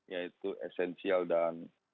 yaitu esensial dan